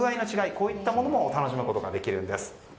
こういったものも楽しむことができるんです。